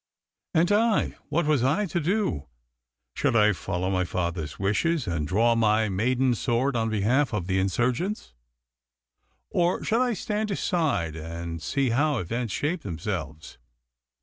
And I? What was I to do? Should I follow my father's wishes, and draw my maiden sword on behalf of the insurgents, or should I stand aside and see how events shaped themselves?